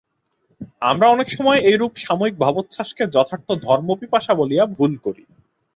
আমরা অনেক সময় এইরূপ সাময়িক ভাবোচ্ছ্বাসকে যথার্থ ধর্মপিপাসা বলিয়া ভুল করি।